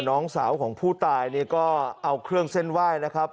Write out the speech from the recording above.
น้องสาวของผู้ตายเนี่ยก็เอาเครื่องเส้นไหว้นะครับ